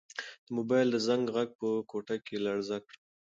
د موبایل د زنګ غږ په کوټه کې لړزه کړه.